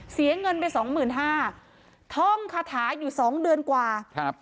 เสียเงินไปสองหมื่นห้าท่องคาถาอยู่สองเดือนกว่าครับ